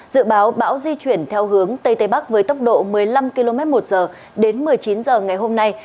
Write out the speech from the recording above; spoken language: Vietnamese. dự báo bão di chuyển theo hướng tây tây bắc với tốc độ một mươi năm km một giờ đến một mươi chín h ngày hôm nay